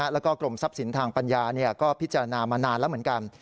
แล้วก็กรมทรัพย์สินทางปัญญาก็พิจารณามานานแล้วเหมือนกัน